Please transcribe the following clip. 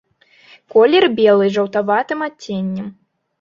Колер белы з жаўтаватым адценнем.